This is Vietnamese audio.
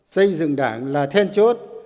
xây dựng đảng là then chốt